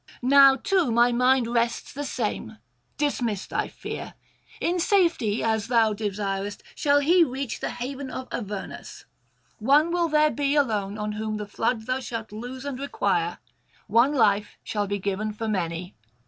Now too my mind rests the same; dismiss thy fear. In safety, as thou desirest, shall he reach the haven of Avernus. One will there be alone whom on the flood thou shalt lose and require; one life shall be given for many. ...'